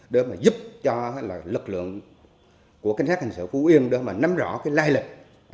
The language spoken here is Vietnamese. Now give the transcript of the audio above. để mà giúp cho lực lượng của công an tỉnh phú yên để mà nắm rõ cái lai lệch